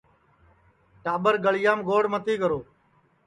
ٹاٻرگݪڑیام گوڑ متی کرو